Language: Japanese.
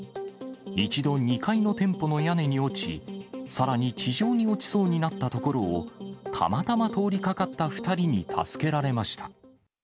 一度、２階の店舗の屋根に落ち、さらに地上に落ちそうになったところを、たまたま通りかかった２人に助けられました。